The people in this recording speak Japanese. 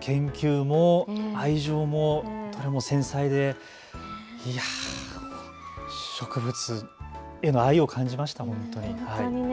研究も愛情もとても繊細で植物への愛を感じました、本当に。